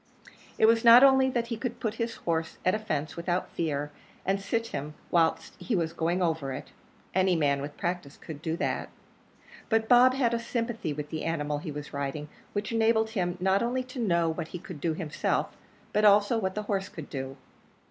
It was not only that he could put his horse at a fence without fear, and sit him whilst he was going over it any man with practice could do that; but Bob had a sympathy with the animal he was riding, which enabled him not only to know what he could do himself, but also what the horse could do.